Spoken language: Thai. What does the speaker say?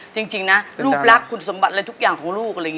จริงนะลูกรักคุณสมบัติอะไรทุกอย่างของลูก